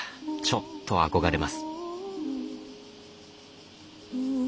ちょっと憧れます。